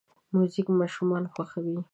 موزیک ماشومان خوښوي.